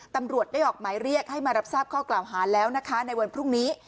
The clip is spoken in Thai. ตำรวจได้ออกหมายเรียกให้มารับทราบข้อกล่าวหาแล้วนะคะในวันพรุ่งนี้